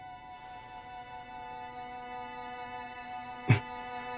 えっ